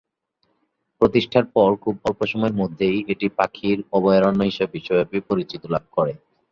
প্রতিষ্ঠার পর খুব অল্প সময়ের মধ্যেই এটি পাখির অভয়ারণ্য হিসেবে বিশ্বব্যাপী পরিচিতি লাভ করে।